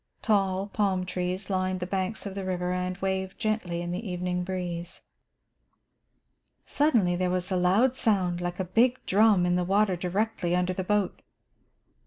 Tall palm trees lined the banks of the river and waved gently in the evening breeze. Suddenly there was a loud sound, like a big drum, in the water directly under the boat.